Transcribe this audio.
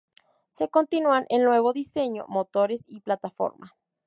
Se continúan el nuevo diseño, motores y plataforma.